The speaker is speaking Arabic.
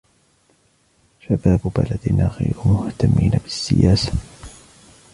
شباب بلدنا غير مهتمين بالسياسة.